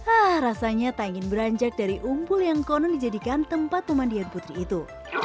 ah rasanya tak ingin beranjak dari umpul yang konon dijadikan tempat pemandian putri itu